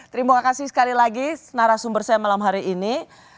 terima kasih sekali lagi narasumber saya malam hari ini